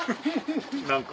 何か。